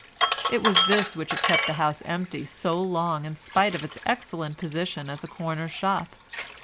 It was this which had kept the house empty so long in spite of its excellent position as a corner shop.